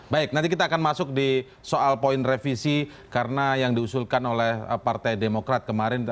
baik nanti kita akan masuk di soal poin revisi karena yang diusulkan oleh partai demokrat kemarin